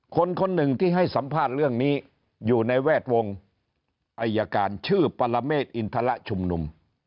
คนหนึ่งที่ให้สัมภาษณ์เรื่องนี้อยู่ในแวดวงอายการชื่อปรเมฆอินทรชุมนุม